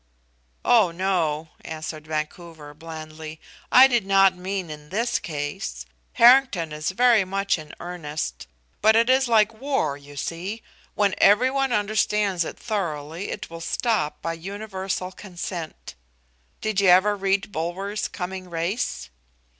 "Oh no," answered Vancouver, blandly, "I did not mean in this case. Harrington is very much in earnest. But it is like war, you see. When every one understands it thoroughly, it will stop by universal consent. Did you ever read Bulwer's 'Coming Race'?"